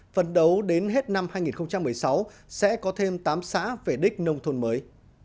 phần đầu đến hết năm hai nghìn một mươi sáu sẽ có thêm tám xã về đích nông thôn mới